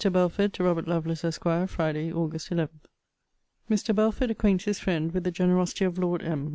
BELFORD, TO ROBERT LOVELACE, ESQ. FRIDAY, AUG. 11. [Mr. Belford acquaints his friend with the generosity of Lord M.